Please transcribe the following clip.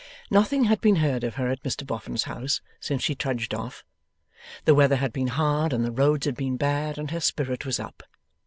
Nothing had been heard of her at Mr Boffin's house since she trudged off. The weather had been hard and the roads had been bad, and her spirit was up.